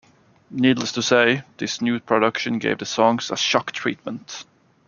Needless to say, this new production gave the songs a shock treatment.